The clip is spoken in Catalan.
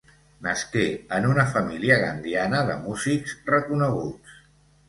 Nasqué en una família gandiana de músics reconeguts.